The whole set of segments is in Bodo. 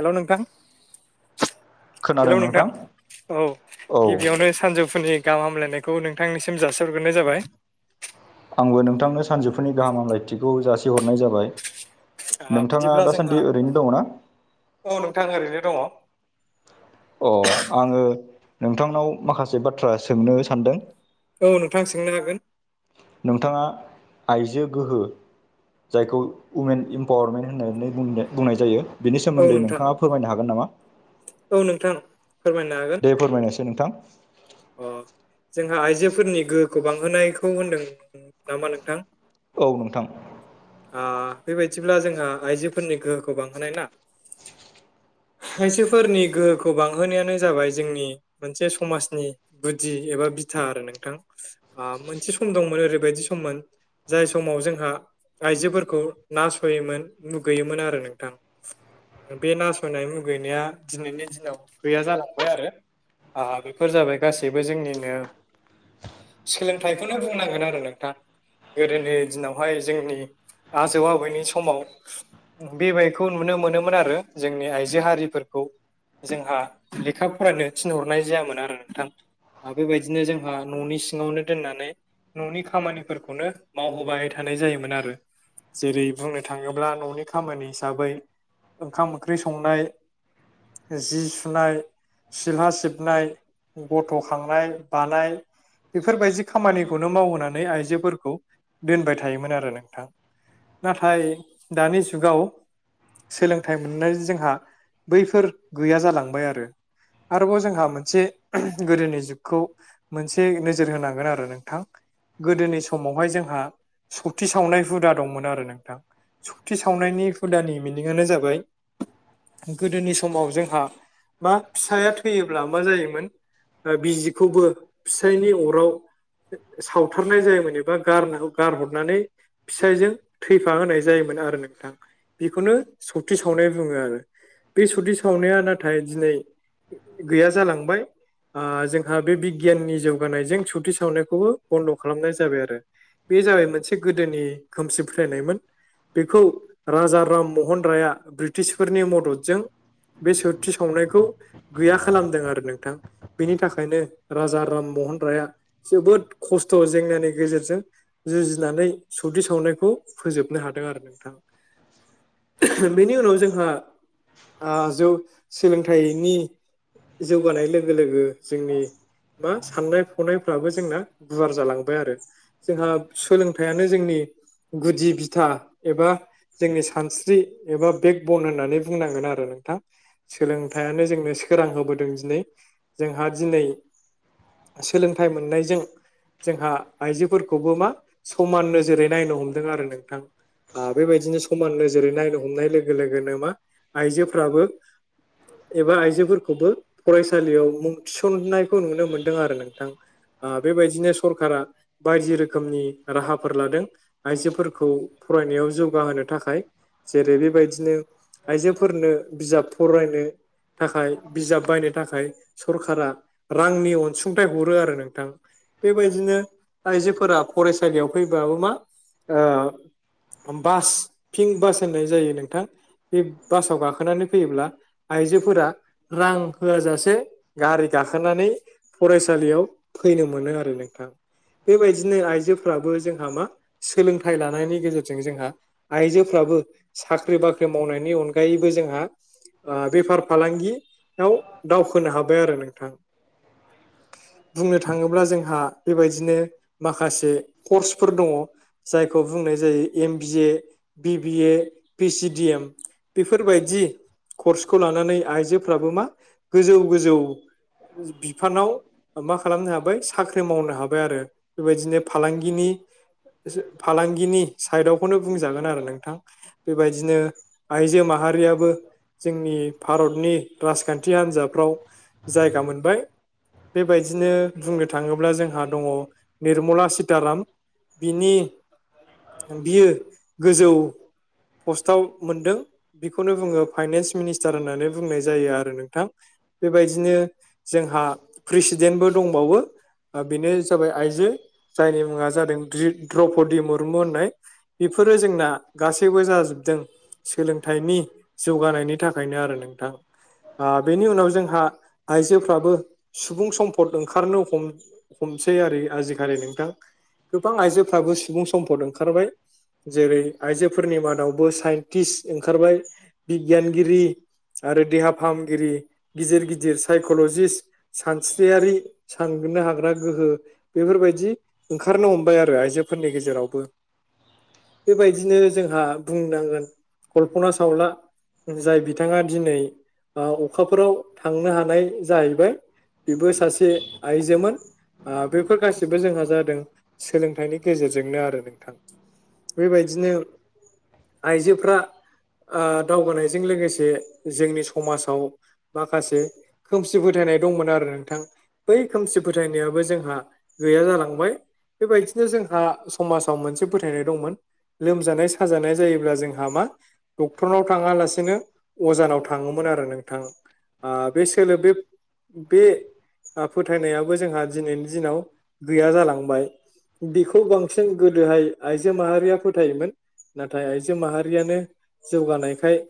हेल' नोंथां। हेलौ नोंथां औ औ गिबियावनो सानजौफुनि गाहाम हामलायनायखौ नोंथांनिसिम जासिहरग्रोनाय जाबाय। आंबो नोंथांनो सानजौफुनि गाहाम हामलायथिखौ जासिहरनाय जाबाय। ओ नोंथाङा बिदिब्ला जोंहा दासान्दि ओरैनो दङना? औ नोंथां ओरैनो दङ। अ आङो नोंथांनाव माखासे बाथ्रा सोंनो सानदों। औ नोंथां सोंनो हागोन। नोंथाङा आइजो गोहो जायखौ उमेन इमपावारमेन्ट होननानै बुं बुंनाय जायो। बिनि औ सोमोन्दै नोंथां नोंथाङा फोरमायनो हागोन नामा? औ नोंथां फोरमायनो हागोन दे फोरमायनायसै नोंथां। अ जोंहा आइजोफोरनि गोहोखौ बांहोनायखौ होनदों नामा नोंथां। औ नोंथां। आं बेबायाददिब्ला जोंहा आइजोफोरनि गोहोखौ बांहोनाय ना आयजोफोरनि गोहोखौ बांहोनायानो जाबाय जोंनि मोनसे समाजनि गुदि एबा बिथा आरो नोंथां आं मोनसे सम दंमोन ओरैबायदि सममोन। जाय समाव जोंहा आइजोफोरखौ नासयोमोन मुगैयोमोन आरो नोंथां। बे नासयनाय मुगैनाया दिनैनि दिनाव गैया जालांबाय आरो। आ बेफोर जाबाय गासैबो जोंनिनो सोलोंथाइखौनो बुंनांगोन आरो नोंथां गोदोनि दिनावहाय जोंनि आजौ आबैनि समाव बेबायखौ नुनो मोनोमोन आरो जोंनि आइजो हारिफोरखौ जोंहा लेखा फरायनो थिनहरनाय जायामोन आरो नोंथां आरो बेबायदिनो जोंहा न'नि सिङावनो दोननानै न'नि खामानिफोरखौनो मावहोबाय थानाय जायोमोन आरो जेरै बुंनो थाङोब्ला न'नि खामानि हिसाबै ओंखाम ओंख्रि संनाय जि सुनाय सिलला सिबनाय गथ' खांनाय बानाय बेफोरबायदि खामानिखौनो मावहोनानै आइजोफोरखौ दोनबाय थायोमोन आरो नोंथां नाथाय दानि जुगाव सोलोंथाइ मोननाय जोंहा बैफोर गैया जालांबाय आरो आरोबाव जोंहा मोनसे गोदोनि जुगखौ मोनसे नोजोर होनांगोन आरो नोंथां गोदोनि समावहाय जोंहा सक्ति सावनाय हुदा दंमोन आरो नोंथां सति‌ सावनायनि हुदानि मिनिंानो जाबाय गोदोनि समाव जोंहा मा फिसाया थैयोब्ला मा जायोमोन बिजिखौबो फिसायनि अराव सावथारनाय जायोमोन एबा गार गारहरनानै फिसायजों थैफा होनाय जायोमोन आरो नोंथांा बेखौनो सक्ति सावनाय बुङो आरो बे सक्ति सावनाया नाथाय दिनै गैया जालांबाय जोंहा बे बिगियाननि जौगानायजों सत सावनायखौबो बन्द' खालामनाय जाबाय आरो बे जाबाय मोनसे गोदोनि खोमसि फोथायायनायमोन बेखौ राजा राममहन राया ब्रिटिसफोरनि मददजों बे सति सावनायखौ गैया खालामदों आरो नोंथां बिनि थाखायनो राजा राममहन राया जोबोद खस्थ' जेंनानि गेजेरजों जुजिनानै सौदि सावनायखौ फोजोबनो हादों आरो नोंथांा बेनि उनाव जोंहा जौ सोलोंथाइनि जौगानाय लोगो लोगो जोंनि मा साननाय फनायफ्राबो जोंना गुवार जालांबाय आरो जोंहा सोलोंथाइयानो जोंनि गुदि बिथा एबा जोंनि सानस्रि एबा बेक बन होननानै बुंनांगोन आरो नोंथां सोलोंथाइयानो जोंनो सोरां होबोदों दिनै जोंहा दिनै सोलोंथाइ मोननायजों जोंहा आइजोफोरखौबो मा समान नोजोरै नायनो हमदों आरो नोंथां आ बेबायदिनो समान नोजोरै नायनो हमनाय लोगो लोगोनो मा आइजोफ्राबो एबा आइजोफोरखौबो फरायसालियाव मुं थिसननायखौ नुनो मोनदों आरो नोंथां बेबायदिनो सरकारा बायदि रोखोमनि राहाफोर लादों आइजोफोरखौ फरायनायाव जौगाहोनो थाखाय जेरै बेबायदिनो आइजोफोरनो बिजाब फरायनो थाखाय बिजाब बायनो थाखाय सरखारारा रांनि अनसुंथाइ हरो आरो नोंथां बेबायदिनो आइजोफोरा फरायसालियाव फैबाबो मा बास पिंक बास होननाय जायो नोंथां बे बासाव गाखोनानै फैयोब्ला आइजोफोरा रां होआ जाासे गारि गाखोनानै फरायसालियाव फैनो मोनो आरो नोंथां बेबायदिनो आइजोफ्राबो जोंहा मा सोलोंथाइ लानायनि गेजेरजों जोंहा आइजोफ्राबो साख्रि बाख्रि मावनायनि अनगायैबो जोंहा बेफार फालांगियाव दावखोनो हाबाय आरो नोंथां बुंनो थाङोब्ला जोंहा बेबायदिनो माखासे कर्सफोर दङ जायखौ बुंनाय जायो एम-बि-ए बि-बि-ए पिसिडि एम। बेफोरबायदि कर्सखौ लानानै आइजोफ्राबो मा गोजौ गोजौ। बिफानाव मा खालामनो हाबाय साख्रि मावनो हाबाय आरो बेबायदिनो फालांगिनि। फालांगिनि साइदावखौनो बुंजागोन आरो नोंथां। बेबायदिनो आइजो माहारियाबो जोंनि भारतनि राजखान्थि हान्जाफ्राव जायगा मोनबाय। बेबायदिनो बुंनो थाङोब्ला जोंहा दङ निर्मला सिताराम। बिनि बियो गोजौ पस्टाव मोनदों। बेखौनो बुङो फाइनान्स मिनिस्टार होननानै बुंनाय जायो आरो नोंथां। बेबायदिनो जोंहा प्रेसिदेन्टबो दंबावो। बेनो जाबाय आइजो जायनि मुङा जादों [unintelligible] द्रौपदि मुरमु होननाय। बेफोरो जोंना गासैबो जाजोबदों। सोलोंथाइनि जौगानायनि थाखायनो आरो नोंथां ओ बेनि उनाव जों हा आइजोफ्राबो सुबुं सम्पद ओंखारनो हम हमसै आरो आजिखालि नोंथां गोबां आइजोफ्राबो सुबुं सम्फद ओंखारबाय। जेरै आइजोफोरनि मादावबो साइन्टिस्ट ओंखारबाय। बिगियानगिरि आरो देहा फाहामगिरि। गिदिर गिदिर सायक'ल'जिस्ट सानस्रियारि साननो हाग्रा गोहो बेफोरबायदि ओंखारनो हमबाय आरो आइजोफोरनि गेजेरावबो। बेबायदिनो जोंहा बुंनांगोन कल्पना सावला। जाय बिथाङा दिनै ओ अखाफोराव थांनो हानाय जाहैबाय बेबो सासे आइजोमोन। ओ बेफोर गासैबो जोंहा जादों सोलोंथाइनि गेजेरजोंनो आरो नोंथां। बेबायदिनो आइजोफ्रा ओ दावगानायजों लोगोसे जोंनि समाजाव माखासे खोमसि फोथायनाय दंमोन आरो नोंथां। बै खोमसि फोथायनायाबो जोंहा गैया जालांबाय। बेबायदिनो जोंहा समाजाव मोनसे फोथायनाय दंमोन। लोमजानाय साजानाय जायोब्ला जोंहा मा डक्टरनाव थाङालासिनो अजानाव थाङोमोन आरो नोंथां। ओ बे सोलो बे बे ओ फोथायनायाबो जोंहा दिनैनि दिनाव गैया जालांबाय। बिखौ बांसिन गोदोहाय आइजो माहारिया फोथायोमोन। नाथाय आइजो माहारियानो जौगानायखाय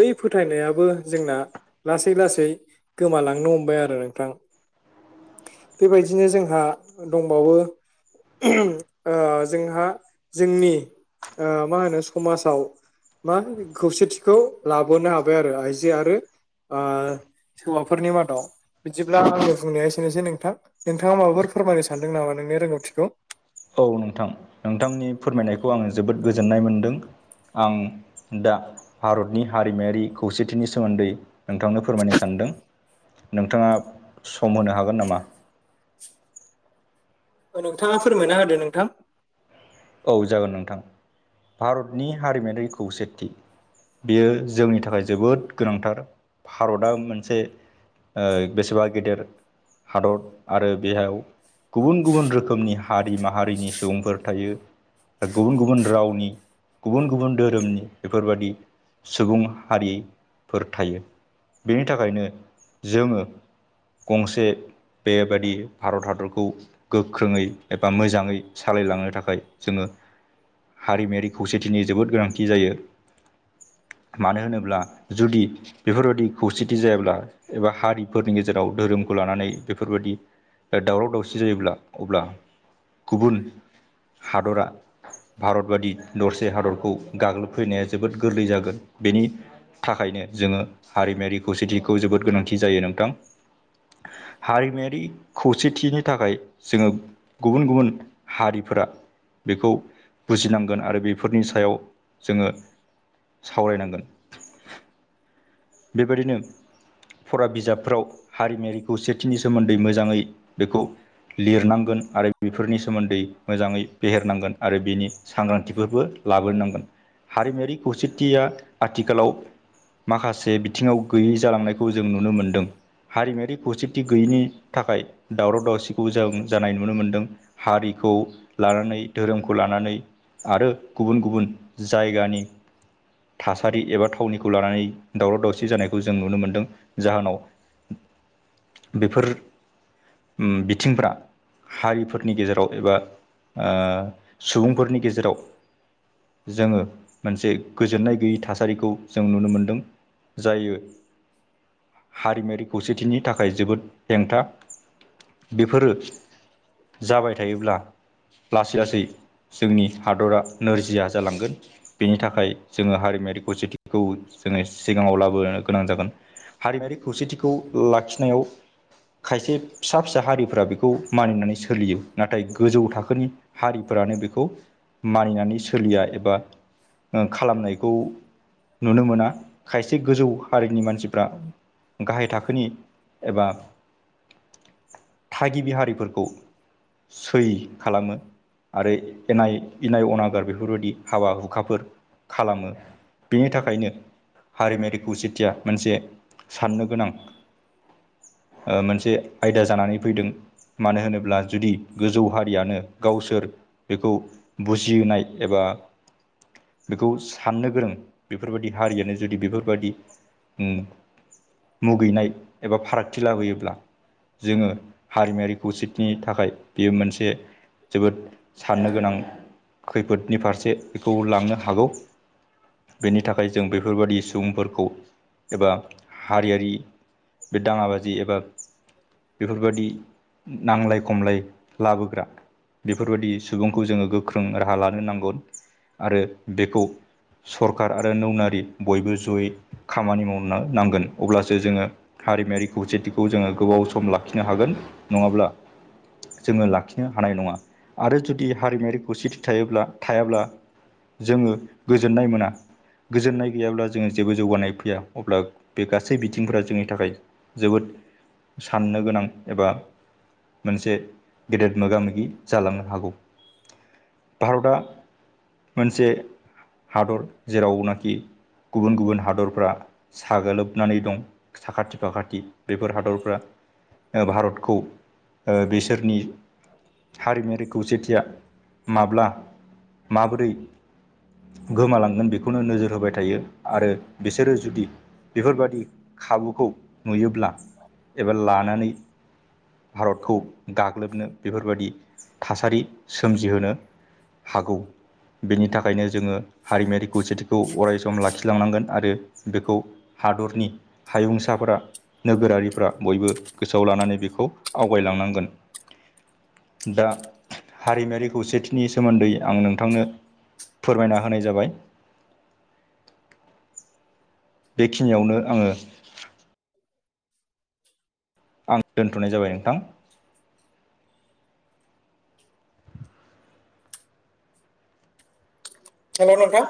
बै फोथायनायाबो जोंना लासै लासै गोमालांनो हमबाय आरो नोंथां। बेबायदिनो जोंहा दंबावो ओ जोंहा जोंनि ओ मा होनो समाजाव बां खौसेथिखौ लाबोनो हाबाय आरो आइजो आरो ओ हौवाफोरनि मादाव। बिदिब्ला आंनि बुंनाया एसेनोसै नोंथां नोंथाङा माबाफोर फोरमायनो सानदों नामा नोंनि रोंगौथिखौ। औ नोंथां नोंथांनि फोरमायनायखौ आङो जोबोद गोजोननाय मोनदों आं दा भारतनि हारिमायारि खौसेथिनि सोमोन्दै नोंथांनो फोरमायनो सान्दों। नोंथाङा सम होनो हागोन नामा। नोंथाङा फोरमायना होदो नोंथां। औ जागोन नोंथां भारतनि हारिमायारि खौसेथि बेयो जोंनि थाखाय जोबोद गोनांथार भारतआ मोनसे ओ बेसेबा गेदेर हादर आरो बेयाव गुबुन गुबुन रोखोमनि हारि माहारिनि सुबुंफोर थायो। गुबुन गुबुन रावनि गुबुन गुबुन धोरोमनि बेफोरबादि सुबुं हारिफोर थायो। बेनि थाखायनो जोङो गंसे बेबायदि भारत हादरखौ गोख्रोङै एबा मोजाङै सालायलांनो थाखाय जोङो हारिमायारि खौसेथिनि जोबोद गोनांथि जायो। मानो होनोब्ला जुदि बेफोरबादि खौसेथि जायाब्ला एबा हारिफोरनि गेजेराव धोरोमखौ लानानै बेफोरबादि दावराव दावसि जायोब्ला अब्ला गुबुन हादरा भारतबादि दरसे हादरखौ गाग्लोबफैनाया जोबोद गोरलै जागोन। बेनि थाखायनो जोङो हारिमायारि खौसेथिखौ जोबोद गोनांथि जायो नोंथां। हारिमायारि खौसेथिनि थाखाय जोङो गुबुन गुबुन हारिफोरा बेखौ बुजिनांगोन आरो बेफोरनि सायाव जोङो सावरायनांगोन। बेबायदिनो फरा बिजाबफ्राव हारिमायारि खौसेथिनि सोमोन्दै मोजाङै बेखौ लिरनांगोन आरो बेफोरनि सोमोन्दै मोजाङै फेहेरनांगोन आरो बिनि सांग्रांथिफोरबो लाबोनोनांगोन। हारिमायारि खौसेथिया आथिखालाव माखासे बिथिङाव गैयै जालांनायखौ जों नुनो मोनदों। हारिमायारि खौसेथि गैयैनि थाखाय दावराव दावसिखौ जों जानाय नुनो मोनदों। हारिखौ लानानै धोरोमखौ लानानै आरो गुबुन गुबुन जायगानि थासारि एबा थावनिखौ लानानै दावराव दावसि जानायखौ जों नुनो मोन्दों। जाहोनाव बेफोर उम बिथिंफोरा हारिफोरनि गेजेराव एबा ओ सुबुंफोरनि गेजेराव जोङो मोनसे गोजोननाय गैयै थासारिखौ जों नुनो मोनदों। जायो हारिमायारि खौसेथिनि थाखाय जोबोद हेंथा। बेफोरो जाबाय थायोब्ला लासै लासै जोंनि हादरा नोरजिया जालांगोन। बेनि थाखाय जोङो हारिमायारि खौसेथिखौ जोङो सिगाङाव लाबोनो गोनां जागोन। हारिमायारि खौसेथिखौ लाखिनायाव खायसे फिसा फिसा हारिफ्रा बेखौ मानिनानै सोलियो नाथाय गोजौ थाखोनि हारिफोरानो बेखौ मानिनानै सो लिया एबा खालामनायखौ नुनो मोना। खायसे गोजौ हारिनि मानसिफ्रा गाहाय थाखोनि एबा थागिबि हारिफोरखौ सै खालामो। आरो एनाय इनाय अनागार बेफोरबायदि हाबा हुखाफोर खालामो। बेनि थाखायनो हारिमायारिखौ खौसेथिया मोनसे साननो गोनां मोनसे आयदा जानानै फैदों। मानो होनोब्ला जुदि गोजौ हारियानो गावसोर बेखौ बुजिनाय एबा बेखौ साननो गोरों बेफोरबायदि हारियानो जुदि बेफोरबादि उम मुगैनाय एबा फारागथि लाबोयोब्ला जोङो हारिमायारि खौसेथिनि थाखाय बेयो मोनसे जोबोद साननो गोनां खैफोदनि फारसे बेखौ लांनो हागौ। बेनि थाखाय जों बै फोरबादि सुबुंफोरखौ एबा हारियारि बे दाङाबाजि एबा बेफोरबादि नांलाय खमलाय लाबोग्रा बेफोरबायदि सुबुंखौ जोङो गोख्रों राहा लानो नांगोन आरो बेखौ सरखारार आरो नौनारि बयबो जयै खामानि मावनो नांगोन अब्लासो जोङो हारिमायारि खौसेथिखौ जोङो गोबाव सम लाखिनो हागोन नङाब्ला जोङो लाखिनो हानाय नङा आरो जुदि हारिमायारि खौसेथि थायोब्ला थायाब्ला जोङो गोजोननाय मोना गोजोननाय गैयाब्ला जोंङो जेबो जौगानाय फैया अब्ला बे गासै बिथिंफोरा जोंनि थाखाय जोबोद साननो गोनां एबा मोनसे गेदेर मोगा मोगि जालांनो हागौ। भारतआ मोनसे हादर जेरावनाखि गुबुन गुबुन हादर फ्रा साग्लोबनानै दं साखाथि फाखाथि बेफोर हादरफ्रा ओ भारतखौ ओ बिसोरनि हारिमयारि खौसेथिया माब्ला माबोरै गोमालांगोन बेखौनो नो जोर होबाय थायो आरो बिसोरो जुदि बेफोरबायदि खाबुखौ नुयोब्ला एबा लानानै भारतखौ गाग्लोबनो बेफोरबायदि थासारि सोमजिहोनो हागौ बेनि थाखायनो जोङो हारिमायारि खौसेथिखौ अराय सम लाखि लांनांगोन आरो बेखौ हादरनि हायुंसाफोरा नोगोरारिफ्रा बयबो गोसोआव लानानै बेखौ आवगायलांनांगोन। दा हारिमायारि खौसेथिनि सोमोन्दै आं नोंथांनो फोरमायना होनाय जाबाय बेखिनियावनो आङो आं दोन्थ'नाय जाबाय नोंथां। हेल' नोंथां